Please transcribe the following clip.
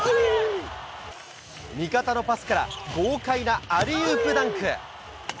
味方のパスから、豪快なアリウープダンク。